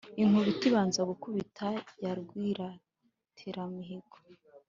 inkuba ibanza gukubita ya rwiratiramihigo,